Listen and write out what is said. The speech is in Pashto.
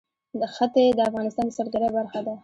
ښتې د افغانستان د سیلګرۍ برخه ده.